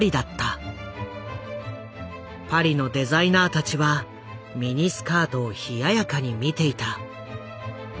パリのデザイナーたちはミニスカートを冷ややかに見ていた。